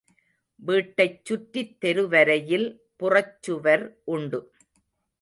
வீட்டைச் சுற்றித் தெருவரையில் புறச்சுவர் உண்டு.